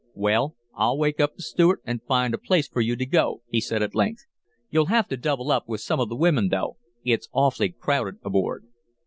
"Well, I'll wake up the steward and find a place for you to go," he said at length. "You'll have to double up with some of the women, though; it's awfully crowded aboard."